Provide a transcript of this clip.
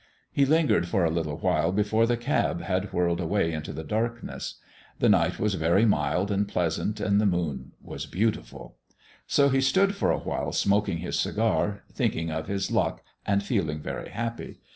He lingered for a little while after the cab had whirled away into the darkness. The night was very mild and pleasant, and the moon was beautiful. So he stood for a while smoking his cigar, thinking of his luck and feeling very happy.